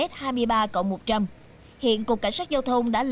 điều kiểm soát giao thông đường bộ cục cảnh sát giao thông bộ công an